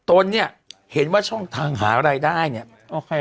ตนเนี่ยเห็นว่าช่องทางหารายได้เนี่ยโอเค